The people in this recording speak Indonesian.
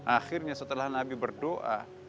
akhirnya setelah nabi berdoa